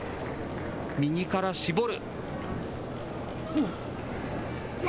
右から絞る。